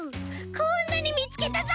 こんなにみつけたぞ。